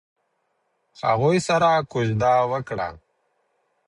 هغوی سره کوژده وکړه.